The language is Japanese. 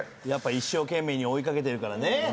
一生懸命に追い掛けてるからね。